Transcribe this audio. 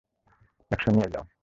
একশ নিয়ে যাও।